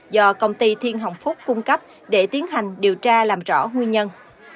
do công ty thiên hồng phúc cung cấp để tiến hành điều tra làm rõ nguyên nhân